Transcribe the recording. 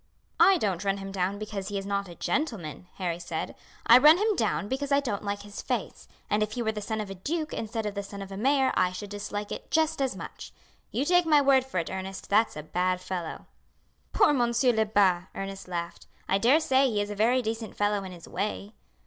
"I don't run him down because he is not a gentleman," Harry said. "I run him down because I don't like his face; and if he were the son of a duke instead of the son of a mayor I should dislike it just as much. You take my word for it, Ernest, that's a bad fellow." "Poor Monsieur Lebat!" Ernest laughed. "I daresay he is a very decent fellow in his way.